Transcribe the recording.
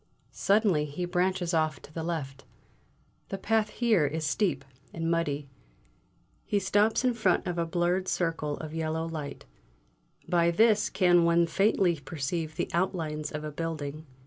Suddenly he branches off to the left; the path here is steep and muddy. He stops in front of a blurred circle of yellow light; by this can one faintly perceive the outlines of a building.